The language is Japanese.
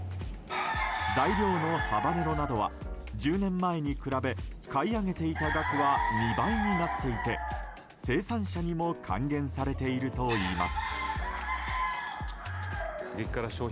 材料のハバネロなどは１０年前に比べ買い上げていた額は２倍になっていて生産者にも還元されているといいます。